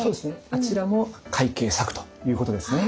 あちらも快慶作ということですね。